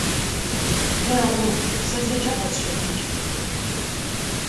Değu, se zeç'e khesşefışt.